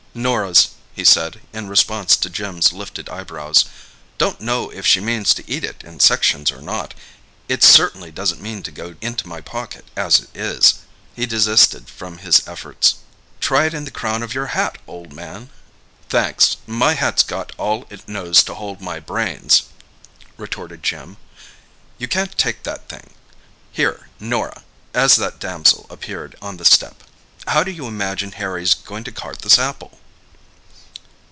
"Norah's," he said, in response to Jim's lifted eyebrows. "Don't know if she means to eat it in sections or not—it certainly doesn't mean to go into my pocket as it is." He desisted from his efforts. "Try it in the crown of your hat, old man." "Thanks—my hat's got all it knows to hold my brains," retorted Jim. "You can't take that thing. Here, Norah," as that damsel appeared on the step, "how do you imagine Harry's going to cart this apple?"